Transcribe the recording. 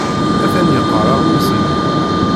Atan yeqqar aɣmis-nni.